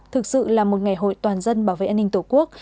thực sự là một ngày hội toàn dân bảo vệ an ninh tổ quốc